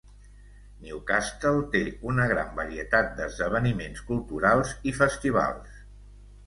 Newcastle té una gran varietat d'esdeveniments culturals i festivals.